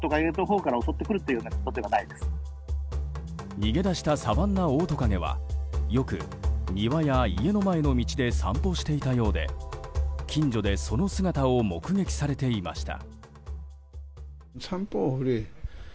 逃げ出したサバンナオオトカゲはよく庭や家の前の道で散歩していたようで近所で、その姿を目撃されていました。